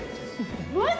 マジ？